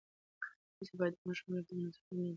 تاسې باید د ماشومانو لپاره مناسب فلمونه انتخاب کړئ.